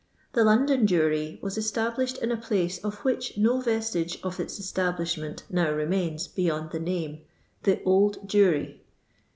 The London Jewerie was established in a place of which BO Testigc of its establishment now re mains beyond the name— the Old Jewry.